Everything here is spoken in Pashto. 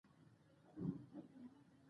استاد بینوا د افغان هویت ستاینه کړې ده.